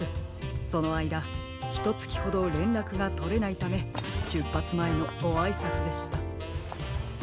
そのあいだひとつきほどれんらくがとれないためしゅっぱつまえのごあいさつでした。